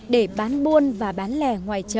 để bán buôn và bán lè ngoài chợ